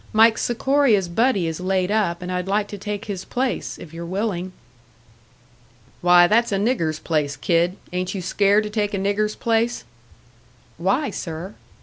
Mike Sikoria's buddy is laid up, and I'd like to take his place, if you're willing." "Why, that's a nigger's place, kid. Ain't you scared to take a nigger's place?" "Why, sir?"